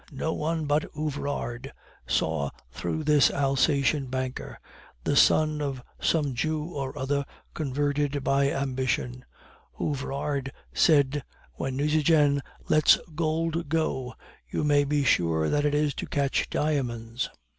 No one but Ouvrard saw through this Alsacien banker, the son of some Jew or other converted by ambition; Ouvrard said, 'When Nucingen lets gold go, you may be sure that it is to catch diamonds.